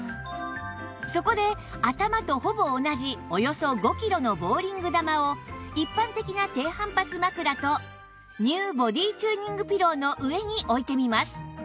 そこで頭とほぼ同じおよそ５キロのボウリング球を一般的な低反発枕と ＮＥＷ ボディチューニングピローの上に置いてみます